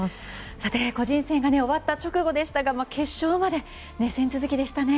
さて、個人戦が終わった直後でしたが決勝まで熱戦続きでしたね。